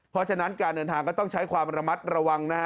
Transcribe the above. เพราะฉะนั้นการเดินทางก็ต้องใช้ความระมัดระวังนะฮะ